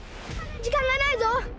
時間がないぞ！